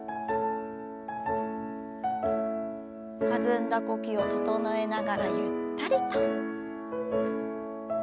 弾んだ呼吸を整えながらゆったりと。